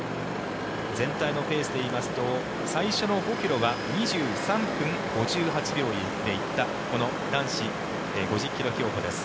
全体のペースで言いますと最初の５ｋｍは２３分５８秒で行っていたこの男子５０ｋｍ競歩です。